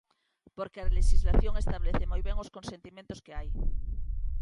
Porque a lexislación establece moi ben os consentimentos que hai.